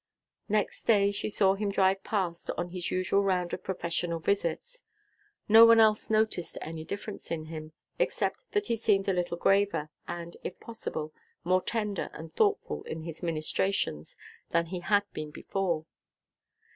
Next day she saw him drive past on his usual round of professional visits. No one else noticed any difference in him, except that he seemed a little graver, and, if possible, more tender and thoughtful in his ministrations, than he had been before.